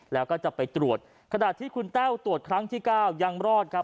แล้วก็จะไปตรวจขณะที่คุณแต้วตรวจครั้งที่เก้ายังรอดครับ